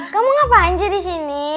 kamu ngapain sih disini